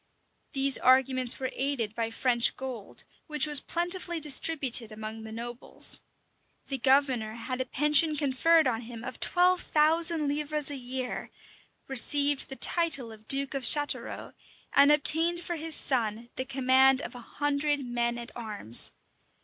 These arguments were aided by French gold, which was plentifully distributed among the nobles. The governor had a pension conferred on him of twelve thousand livres a year, received the title of duke of Chatelrault, and obtained for his son the command of a hundred men at arms.